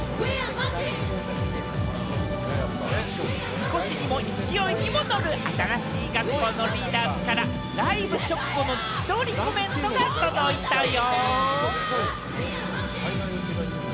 神輿にも勢いにも乗る新しい学校のリーダーズからライブ直後の自撮りコメントが届いたよ！